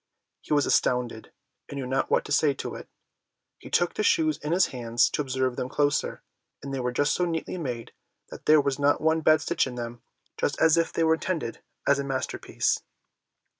He was astounded, and knew not what to say to it. He took the shoes in his hands to observe them closer, and they were so neatly made that there was not one bad stitch in them, just as if they were intended as a masterpiece.